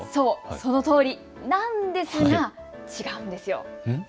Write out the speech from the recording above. そのとおり、なんですが違うんですよ。